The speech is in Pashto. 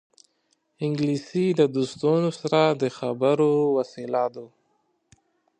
انګلیسي د دوستانو سره د خبرو وسیله ده